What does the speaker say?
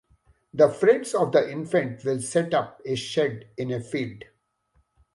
The friends of the infant will set up a shed in a field.